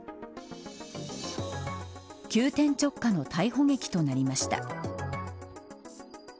急転直下の逮捕劇となりました。